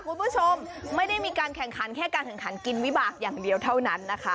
คุณผู้ชมไม่ได้มีการแข่งขันแค่การแข่งขันกินวิบากอย่างเดียวเท่านั้นนะคะ